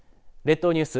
列島ニュース